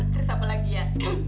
terus apa lagi ya